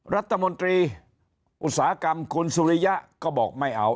รัฐมนตรีอุตสาหกรรมคุณสุริยะก็บอกไม่เอา